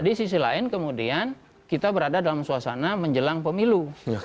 di sisi lain kemudian kita berada dalam suasana menjelang pemilu